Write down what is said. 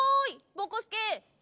ぼこすけ。